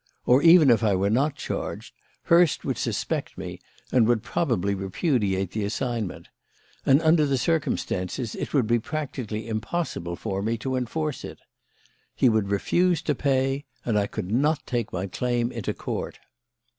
Or, even if I were not charged, Hurst would suspect me and would probably repudiate the assignment; and, under the circumstances, it would be practically impossible for me to enforce it. He would refuse to pay and I could not take my claim into Court.